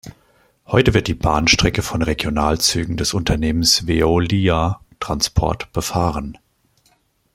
Heute wird die Bahnstrecke von Regionalzügen des Unternehmens Veolia Transport befahren.